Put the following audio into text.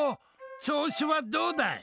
調子はどうだい？